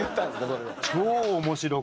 それは。